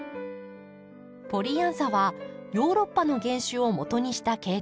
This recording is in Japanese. ポリアンサはヨーロッパの原種をもとにした系統です。